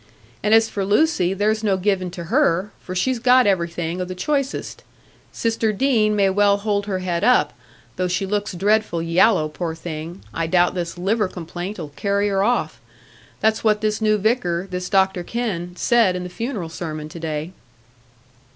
And as for Lucy, there's no giving to her, for she's got everything o' the choicest; sister Deane may well hold her head up,—though she looks dreadful yallow, poor thing—I doubt this liver complaint 'ull carry her off. That's what this new vicar, this Dr Kenn, said in the funeral sermon to day."